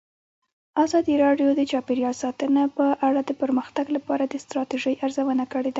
ازادي راډیو د چاپیریال ساتنه په اړه د پرمختګ لپاره د ستراتیژۍ ارزونه کړې.